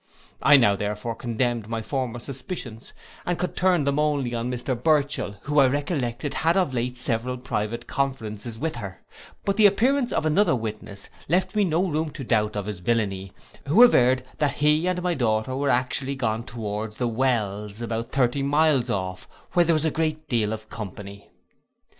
I now therefore condemned my former suspicions, and could turn them only on Mr Burchell, who I recollected had of late several private conferences with her: but the appearance of another witness left me no room to doubt of his villainy, who averred, that he and my daughter were actually gone towards the wells, about thirty miles off, where there was a great deal of company.